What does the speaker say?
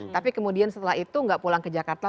tapi kemudian setelah itu nggak pulang ke jakarta